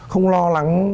không lo lắng